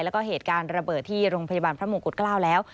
แล้วก็เหตุการณ์ระเบิดที่โรงพยาบาลพระมงกุฎเกล้าแล้ว